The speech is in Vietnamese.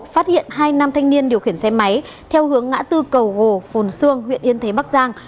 phát hiện hai nam thanh niên điều khiển xe máy theo hướng ngã tư cầu gồ phồn xương huyện yên thế bắc giang